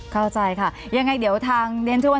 เข้าใจค่ะยังไงเดี๋ยวทางเรียนช่วยว่า